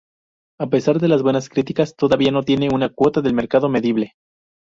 A pesar de las buenas críticas, todavía no tiene una cuota de mercado medible.